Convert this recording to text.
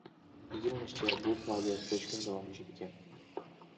ئىگىلىنىشىچە، بۇ پائالىيەت بەش كۈن داۋاملىشىدىكەن.